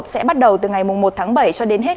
sẽ bắt đầu từ ngày một tháng bảy cho đến hết